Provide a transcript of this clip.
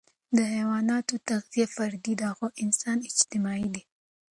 د حيواناتو تغذیه فردي ده، خو انسان اجتماعي دی.